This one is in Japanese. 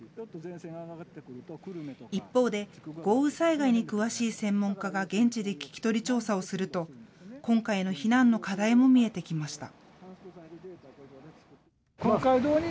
一方で豪雨災害に詳しい専門家が現地で聞き取り調査をすると今回の避難の課題も見えてきました。